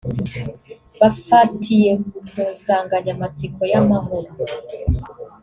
bafatiye ku nsanganyamatsiko yamahoro